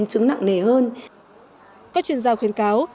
các chuyên gia khuyên cáo